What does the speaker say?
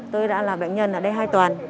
tôi đã là bệnh nhân ở đây hai tuần